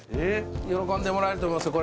喜んでもらえると思いますよ